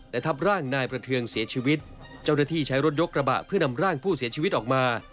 และทับร่างนายประเทืองเสียชีวิตเจ้าหน้าที่ใช้รถยกระบะเพื่อนำร่างผู้เสียชีวิตออกมา